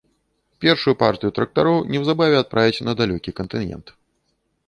Першую партыю трактароў неўзабаве адправяць на далёкі кантынент.